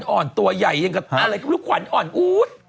โอ้โหขวัญอ่อนตัวใหญ่อย่างกับอะไรขวัญอ่อนอู๊ด